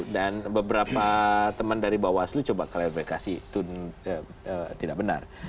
dan beberapa teman dari bawaslu coba kalifikasi itu tidak benar